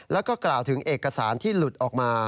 แล้วก็กล่าวถึงเอกสารที่หลุดออกมา